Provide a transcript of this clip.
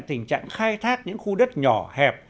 tình trạng khai thác những khu đất nhỏ hẹp